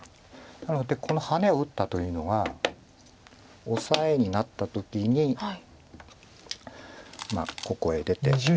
なのでこのハネを打ったというのはオサエになった時にまあここへ出てこうなりますね。